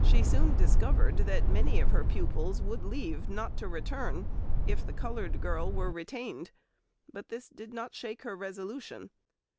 She soon discovered that many of her pupils would leave, not to return, if the coloured girl were retained, but this did not shake her resolution.